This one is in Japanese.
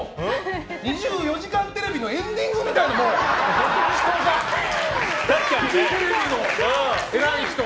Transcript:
２４時間テレビのエンディングみたいに、人が。